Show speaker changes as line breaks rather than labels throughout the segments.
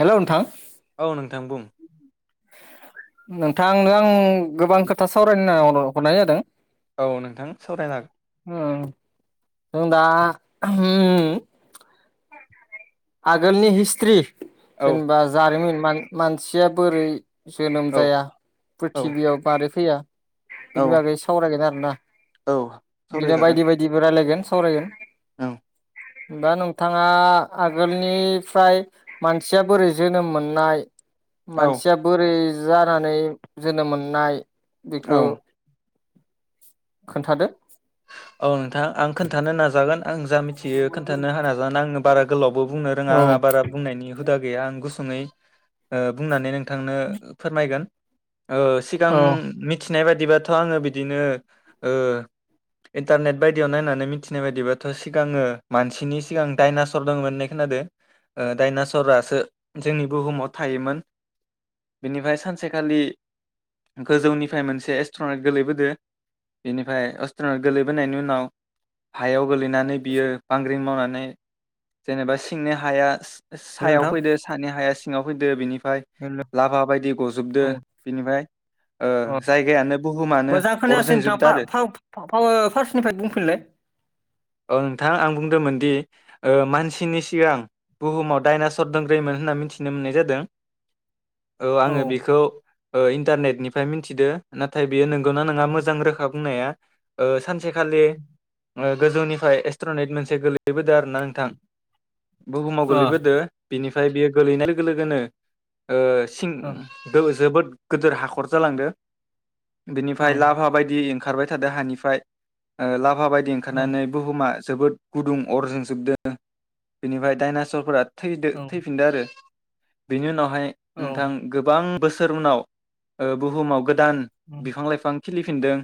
हेल' नोंथां
औ नोंथां बुं।
नोंथांनो आं गोबां खोथा सावरायनो होनना हरनाय जादों।
औ नोंथां सावरायनो
ओं दा आगोलनि हिस्ट्रि
औ
जेनेबा जारिमिन मान मानसिया बोरै जोनोम जाया
औ
प्रिथिबियाव बारै फैया
औ
बेनि
औ
सावरायगोन आ ना
औ
बिदिनो
सावरायजागोन
बायदि बायदिबो रायलायगोन सावरायगोन।
औ
दा नोंथाङा आगोलनिफ्राय मानसिया बोरै जोनोम मोननाय
औ
मानसिया बोरै जानानै जोनोम मोननाय।
औ।
बेखौ खोनथादो।
औ नोंथां आं खोन्थानो नाजागोन। आं जा मिथियो खोन्थानो हानाजानो आंनो बारा गोलावबो बुंनो
औ
रोङा आंहा बारा बुंनायनि हुदा गैया आं गुसुं नानै ओ बुंनानै नों थांनो फोरमायगोन। ओ सिगां
औ
मिथि सिनाय बादिबाथ' आङो बिदिनो ओ इन्टारनेट बायदियाव नायनानै मिथिनाय बायदिबाथ' सिगाङो मानसिनि सिगां दडाइनासर दोङोमोन होननाय खोनादों ओ दडाइनाचरासो जोंनि बुहुमाव थायोमोन बेनिफ्राय सानसेखालि गोजौनिफ्राय मोनसे एस्ट्रनाइट गोलैबोदों बेनिफ्राय एस गोलैबोनायनि उनाव हायाव गोगलैनानै बियो बांग्रिं मावनानै जेनेबा सिंनि हाया
हेल'
सायाव
नोंथां
फैदो सानि हाया सिङाव फैदो बेनि ओमफ्राय
हेल'
लाभा बायदि गजोबदों
औ
बिनिफ्राय
अ
जायगायानो बुहुमानो
मोजां
अर
खोनायासै नोंथां
जोंजोबदों
फा
आरो
फा फार्स्टनिफ्राय बुंफिनलाय
ओ नोंथां आं बुंदोंमोन दि मानसिनि सिगां बुहुमाव डाइनासर दोंग्रैोमोन होनना मिथिनो मोननाय जादों औ आङो बेखौ इन्टारनेटनिफ्राय मिथिदो नाथाय बे नोंगौना
अ
नोंहा मज रोखा बुंनाया सानसे खालि गोजौनिफ्राय एस्ट्रनाइट मोनसे गोलैबोदों आर ना नोंथां बुहुमाव
औ
गोलैबोदो बेनिफ्राय फमफ्राय बियो गोलैनाय लोगो लोगोनो
औ
[unintelligible] जोबोद गोदोर हाखर जालांदो
औ
बिनिफ्राय लाभा बायदि खारबाय दानि ला आफा बायदि
औ
ओंखारनानै बुहुमा जोबोद गुदुं अरजों जोबदों बेनिफ्राय दडाइनासरफोरा थैदो
औ
थैफिनदो आरो। बिनि उनाव हाय
औ
नोंथां गोबां बोस उनाव बुहुमाव गो दान बिफां-लाइफां खिलिफिनदों।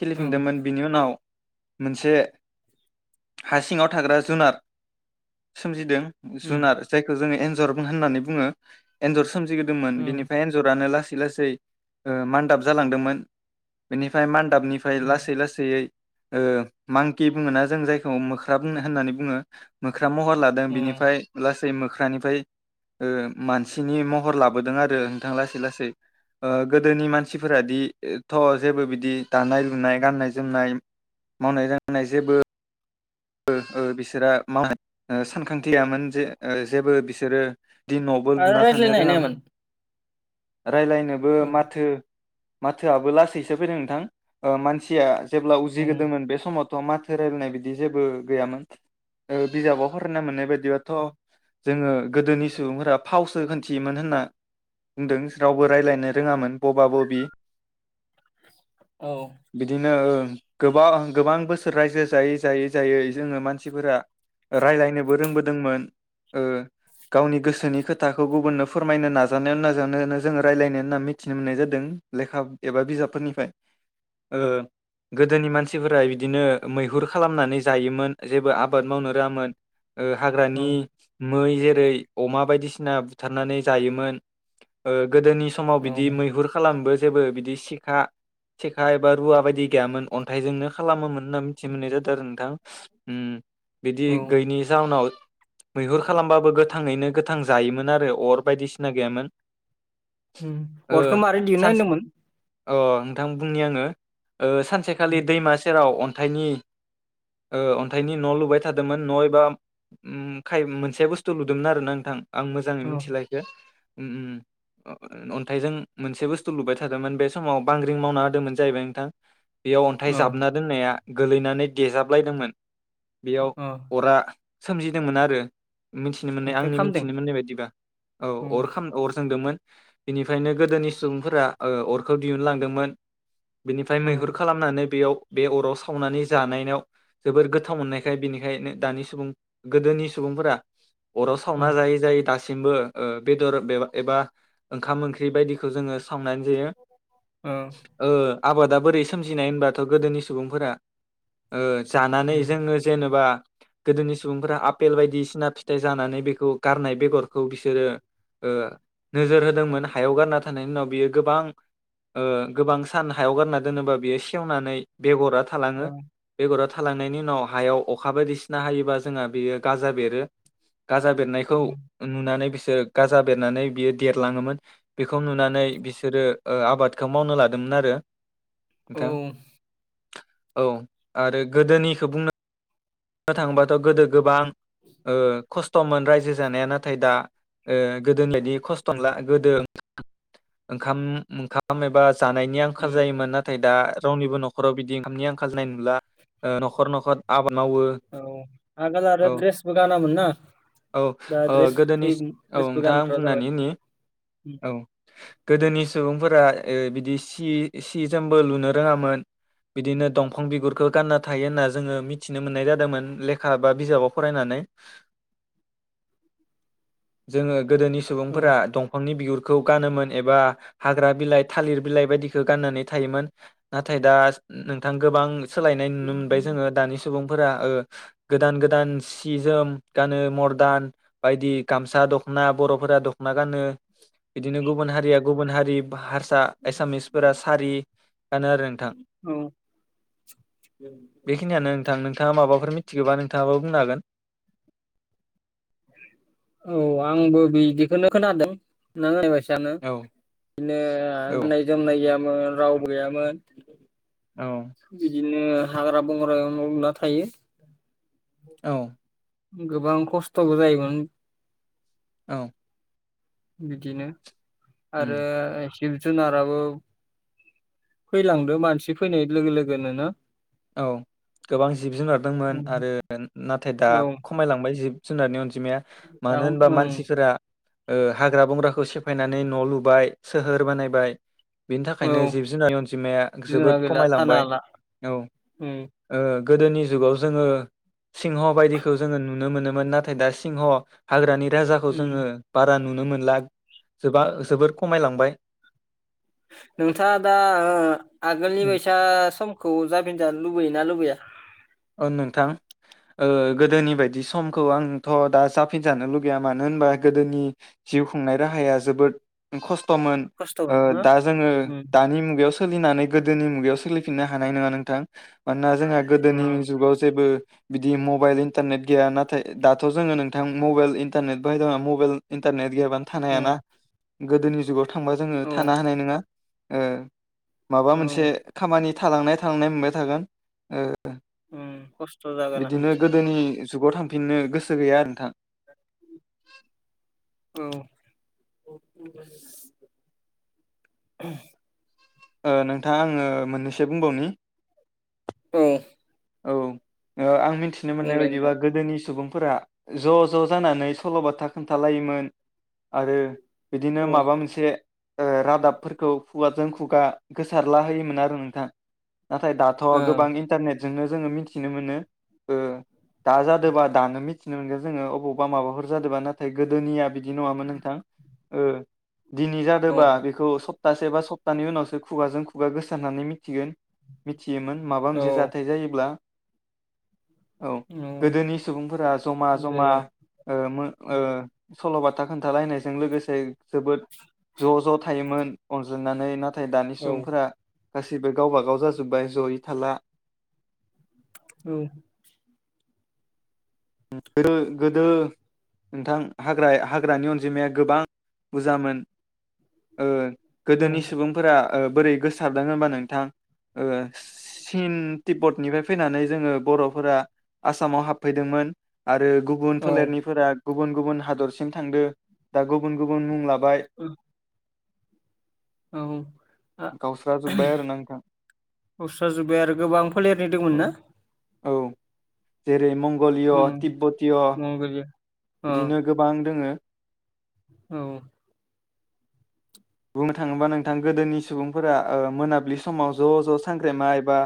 खिलिफिनदोंमोन बिनि उनाव मोनसे हा सिङाव थाग्रा जुनार सोमजिदों।
उम
जुनार जायखौ जोङो एनज जर होननानै बुङो। सोमजिबोदोंमोन
उम
बिनिफ्राय एन्जरानो लासै लासै ओ मान्दाब जालांदोंमोन। बेनिफ्राय मान दाबनिफ्राय लासै लासैयै ओ मांकि बुङोना जों जायखौ मोख्रा बुङो होननानै बुङो मोख ख्रा महर लादों
उम
बेनिफ्राय लास गासै मोख्रानिफ्राय ओ मानसिनि महर लाबोदों आरो नोंथां लासै लासै ओ गोदोनि मानसिफोरादि थ' जेबो बिदि दानाय लुनाय गान्नाय जोमनाय मावनाय दांनाय जेबो बिसोरा माव सानखांथि गैयामोन जे जेबो बिसोरो बिदि न'बोे
आरो
लुना
रायज्लायनो
थानो
हानायामोन
रोङामोन। रायलायनोबो
औ
माथो माथोआबो लासैसो फैदों नोंथां ओ मानसिया जेब्ला
औ
उजिगोदोंमोन बे समाव माथो रायलायनाय बादि। जेबो गैयामोन बिजाबाव फरायना मोननाय बायदिबथ' जोङो गोदोनि सुबुंफोरा फावसो खोनथियोमोन होनना बुंदों रावबो रायजलायनो रोङामोन बबा बबि।
औ
बिदिनो ओ। गोब ओं गोबां बोसोर रायजो जायै जायै जायै जोङो मानसिफोरा रायायनोबो रोंबोदोंमोन ओ गावनि गोसोनि खोथाखौ गुबुननो फोरमायनो नाजानायाव नाजानायनो जो रायलायनाय होनना मिथिनो मोननाय जादों लेखा एबा बिजाबफोरनिफ्राय ओ गोदोनि मानसिफोरा बिदिनो मैहुर खालामनानै जायोमोन जेबो आबाद मावनो रोङामोन। ओ हाग्रानि
औ
मै जेरै अमा बायदिसिना बुथारनानै जायोमोन। गोदोनि समाव बिदि मैहुर खालामबो जेबो बिदि सिखा सिखा एबा रुवा बायदि गैयामोन अन्थाइजोंनो खालामोमोन होनना मिथि मोननाय जादों आरो नोंथां। उम। बिदि
औ
गोयैनि जाउनाव मैहुर खालामबाबो गोथाङैनो गोथां जायोमोन आरो अर बायदिसिना गैयामोन। ओ
अरखौ मारै दिहुननो
सानसे
होनदोंमोन।
अ नोंथां बुंनि आङो। ओ सानसेखालि दैमा सेराव थाइनि ओ अन्थाइनि न' लुबाय थादोंमोन न' एबा उम खाय मोनसे बुस्थु नुदोंमोन आर ना नोंथां। आं मोजाङै
औ
मिथिला इखो। उम उम अन्थाइजों मोनसे बुस्थु लुबाय थादोंमोन बे समाव बांग्रिं मावना होदोंमोन जाहैबाय नोंथां। बेयाव अन्थाइ
औ
जाबना दोननाया गोलैनानै देजाब लायदोंमोन। बेयाव
औ
अरा सोमजिदोंमोन आरो मिथिनो मोननाय
ओमफ्राय
आंनि
खामदों
मिथिनो मोननाय बायदिबा औ अर खाम अर जोंदोंमोन। बेनिफ्रायनो गोदोनि सुबुंफोरा अरखौ दिहुनलांदोंमोन। बिनिफ्राय
औ
मैहुर खालामनानै बेयाव बे अराव सावनानै जानायाव जोबोर गोथाव मोननायखाय बिनिखायनो दानि सुबुं गोदोनि सुबुंफोरा अराव
औ
सावना जायै जाय दास दासिमबो ओ बेदर एबा ओंखाम ओंख्रि बायदिखौ जोङो सावनानै बेयो‌
औ
ओ आबादा बोरै सो सोमजिनाय होनबाथ गोदोनि सुबुंफोरा ओ जानानै
उम
जोङो जेनबा गोदोनि सुबुंफोरा आफेल बायदिसिना फिथाइ जानानै बेखौ गारनाय बेगरखौ बिसोरो नोजोर होदोंमोन हायाव गारना थानायनि उनाव बियो गोबां ओ गोबां सान हायाव गारनानै दोनोबा बेयो सेवनानै बेगरा थालाङो।
औ
बेगराव थालांनायनि उनाव हायाव अखा बायदिसिना हायोबा जोंहा बेयो गाजा बेरो। गाजा बेरनायखौ
उम
नुनानै बिसो ओ गाजा बेरनानै बियो देरलाङोमोन बेखौ नुनानै बिसोरो आबादखौ मावनो लादोंमोन आरो।
औ
नोंथां औ आरो गोदोनिखौ बुंनो बुंनो थांबाथ गोदो गोबां ओ खस्थमोन रायजो जानाया नाथाय दा गोदोनि बायदि खस्थ नंला गोदो ओंखाम ओंखाम एबा जानायनि आंखाल
उम
जायोमोन नाथाय दा रावनिबो नखराव बिदि ओंखामनि आंखाल नुला नुला ओ नखर नखर आबाद मावो
औ आगोल आरो
औ
दड्रेसबो गानामोनना
औ
दा
ओ
ड्रेस
गोदोनि औ
द्रेसबो
नोंथां आं
गानग्रा
बुंनानै
जाबाय
होनि औ गोदोनि सुबुंफोरा ओ बिदि सि सि जोमबो लुनो रोङामोन बिदिनो दंफां बिगुरखौ गानना थायो होन्ना जोङो मिथिनो मोननाय जादों मोन लेखा बा बिजाबाव फरायनानै जोङो गोदोनि
औ
सुबुंफोरा दंफांनि बिगुर खौ गानोमोन एबा हाग्रा बिलाइ थालिर बिलाइ बायदिखौ गाननानै थायोमोन नाथाय दा नोंथां गोबां सोलायनाय नुनो मोनबाय जोङो दानि सुबुंफोरा ओ गोदान गोदान सि जोम गानो मदार्न बायदि गामसा दख'ना बर'फोरा दख'ना गानो बिदिनो गुबुन हारिया गुबुन हारि बा होर सा एसमिसफोरा सारि गानो आरो नोंथां
औ
बेखिनियानो नोंथां नोंथाङा माबाफोर मिथिगौबा नोंथाङाबो बुंनो हागोन
औ आंबो बिदिखौनो खोनादों नों होयबासा जांङो
औ
बिदिनो
औ
गाननाय जोमनायाव मोन रावबो गैयामोन
औ
बिदि बिदिनो हाग्रा बंग्राायाव न लुना थायो
औ
[inaudible] गोबां खस्थ'बो जायोमोन
औ
बिदिनो
उम
आरो जिब जुनाराबो फैलांदो मानसि फैनाय लोगो लोगोनोनो ना
औ गोबां जिब
औ
जुनारदोंमोन आरो नाथाय दा खमायलांबाय जिब जुनारनि अन जिमाया
दा
मानो होनबा
ओं
मानसिफोरा ओ हाग्रा बंग्रा खौ सेफायनानै न' लुबाय सोहोर बानायबाय बिनि
औ
थाखायनो जिब जुनार अनजिमाया
जुनार
जोबोद
गैला थानो
खमायलांबाय
हाला
औ
उम
ओ गोदोनि जुगाव जोङो सिंह बायदिखौ जोङो नुनो मोनोमोन नाथाय दा सिंह हाग्रानि राजाखौ
उम
जोङो बारा नुनो मोनला जोबा जोबोर खमायलांबाय
नोंथाङा दा ओ आगोलनि बायसा समखौ जाफिन जानो लुबै योना लुबैया।
ओ नोंथां ओ गोदोनि बायदि समखौ आंथ' दा जाफिनजानो लुगैया मानो होनबा गोदोनि जिउ खुंनाय राहाया जोबोद खस थ'मोन ओ
खस्थ'मोन ना
दा जोंङो
उम
दानि मुगायाव सोलिनानै गोदोनि मुगायाव सोलिफिननो हानाय नङा नोंथां ना जोंहा गोदोनि जेबो बिदि मबाइल इन्टारनेट गैया नाथाय दाथ' जोङो नोंथां मबाइल इन्टारनेट बाहायदों मबाइल इन्टारनेट गैयाबानो थानोहायाना
उम
गोदोनि जुगाव थांबा जोङो
औ
थानो हानाय नङा ओ माबा
औ
मोनसे खामानि थालांनाय थालांनाय मोनबाय थागोन ओ
उम खस्थ' जागोन
बिदिनो
हान्थिनो
गोदोनि जुगाव थां फिननो गोसो गैया आरो नोंथां
औ [unintelligible]
ओ नोंथां आङो मोननैसो बुंबावनि
औ
औ ओ आं मिनथिनो मोननाय
बुंलाय
बायदिबा
नोंथां
गोदोनि सुबुं फोरा ज' ज' जानानै सल'बाथा खोन्थालायोमोन आरो बिदिनो
औ
माबा मोनसे ओ रादाबफोरखौ खुगाजों खुगा गोसारला होयोमोन आरो नोंथां नाथाय दाथ'
औ
गोबां इन्टारनेट जोंनो जोङो मिथिनो मोनो ओ दाजादोबा दानो मिथिनो मोनगोन जोंङो अबावबा माबाफोर जादोबा नाथाय गोदोनिया बि दि नङामोन नोंथां ओ दिनै
औ
जादोबा बेखौ सब तासे बा सपतानि उनावसो खुगाजों खुगा गोसारनानै मिथिगोन मिथियोमोन माबा
औ
मोनसे जा ब्ला औ गोदोनि सुबुंफोरा जमा
बिदि
जमा
जायोमोन
ओ मो ओ सल'बाथा खोन्थालायनायजों लोगोसे जोबोद ज' ज' थायोमोन अनज्लायनानै नाथ थाय दानि
औ
सुबुंफोरा गासैबो गावबागाव जाजोब्बाय जयै थाला
औ
उम उम ओ गोदो नोंथां हाग्रा हाग्रानि अनजिमाया गोबां बुजामोन ओ
औ
गोदोनि सुबुंफोरा ओ बोरै गोसारदों होमबा नोंथां ओ सिन तिबब्तनिफ्राय फैनानै जोङो बर'फोरा आसामाव हाबफैदोंमोन आरो गुबुन
औ
फोलेरनिफोरा गुबुन गुबुन हादरसिम थांदो दा गुबुन गुबुन मुंलाब बाय
औ आ
गावस्रा जुबबाय आरो ना नोंथां
गावस्रा जोब्बाय आरो गोबां फोलेरनि दोंमोन ना
औ औ जेरै मंग गलिय'
उम
तिब्बतिय
मंगलिया अ
बिदिनो गोबां दोङो
औ
बुंनो थाङोबा नोंथां गोदोनि सुबुंफोरा ओ मोनाबिलि समाव ज' ज' सांग्रेमा एबा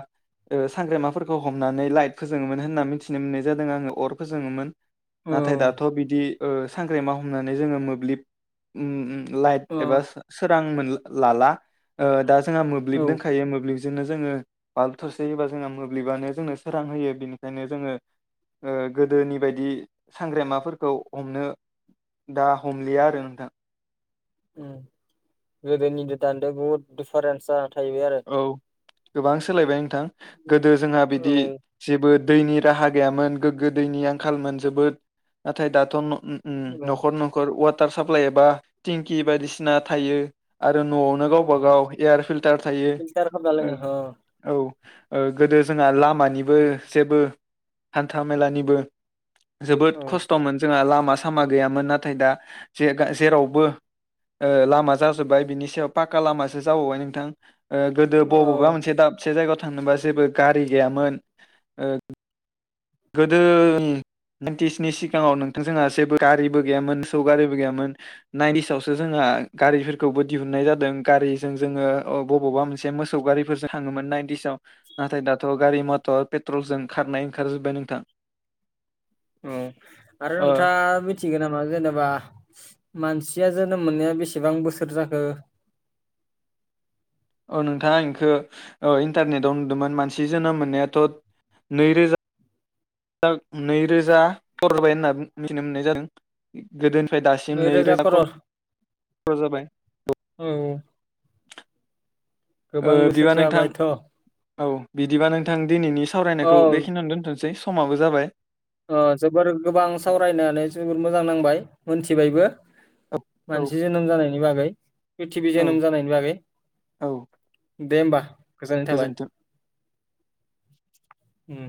ओ सांग्रमाफोरखौ हमनानै लाइट फोजोङोमोन होनना मिथिनो मोननाय जादों आङो अर फोजोङोमोन।
औ
नाथाय दाथ' बिदि ओ सांग्रेमा हमनानै जोङो मोब्लिब उम-उम लाइट
अ
एबा
औ
सा रां मोन ल लाला ओ दा ज जोङा मोब्लिब दोंखायो मोब्लिब ज जोंनो जोङो बालब थसे होबा जोङो मोब्लिबानो जोंनो सोरां होयो बेनिखायनो जोङो ओ गोदोनि बायदि सांग्रेमाफोरखौ हमनो दा हमलिया आरो नोंथां
उम गोदोनि दानिदो बुहुत दिफारेन्सा। थायो आरो
औ गोबां सोलायबाय नों थां गोदो जोंहा बेदि
औ
जेबो दैनि राहा गैयामोन गोग्गो दैनि आंखालमोन जोबोद नाथाय दाथ' न' उम -उम
औ
न'खर न'खर उवाद टार साप्लाइ एबा टिंकि बायदिसिना थायो। आरो न'आवनो गावबा
औ
गाव एयार फिल्टार
फिल्टार खामना लोङो ओ
औ ओ गोदो जोंहा लामानिबो जेबो हान्था मेलानिबो
अ
जोबोद खस्थ'मोन जोंहा लामा लामा सामा गैयामोन नाथाय दा ज जेरावबो लामा जाजोब्बाय बिनि सायाव पाक्का लामासो जाबावबाय नोंथां। ओ गोदो
औ
बबबा
औ
मोनसे दाबसे जायगायाव थांनोबा जेबो गारि गैयामोन ओ गोदो ब्रीन्टिसनि सिगाङाव नोंथां जोंहा जेबो गारिबो गैयामोन मोसौ गारिबो गैयामोन नाइन्टिसावसो जोंहा गारिफोरखौबो दिहुनन्नाय जादों गारिजों जोङो बबावबा मोनसे मोसौ गारिफोरजों थाङोमोन नाइन्टिसाव नाथाय दाथ' गारि मटर पेट्रलजों खारनाय ओंखार जोब नोंथां।
औ आरो
ओ
नोंथाङा मिथिगोन नामा जेनेबा मानसि या जोनोम मोननाया बेसेबां बोसोर जाखो।
औ नोंथाङा इंखौ ओ इन्टारनेटाव नुदोंमोन मानसि जोनोम मोननायाथ' नैरोजा नैरोजा हरबाय होनना मिथिनो मोननाय जादों गोदोनि। दासिम नैरोजा ख' जाबाय औ। ओ
गोबां बोसोर
बिदिबा नोंथां
जाबायथ' औ
औ बिदिबा नोंथां दिनैनि सावरायनायखौ बेखिनियावनो दोनथ'सै। समाबो जाबाय।
अ जोबोर गोबां सावरायनानै जोबोर मोजां नांबाय। मोनथिबायबो।
औ औ
मानसि जोनोम जानायनि बागै, [inaudible] प्रिथिबि
औ
जोनोम जानायनि बागै
औ
दे होमबा। गोजोननाय थाबाय।
गोजोन्थों।
ओम।